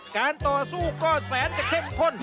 การต่อสู้ก็แสนจะเข้มข้น